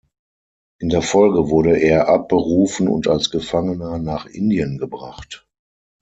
In der Folge wurde er abberufen und als Gefangener nach Indien gebracht.